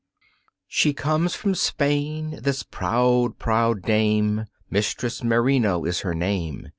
She comes from Spain, this proud, proud Dame, Mistress Merino is her name.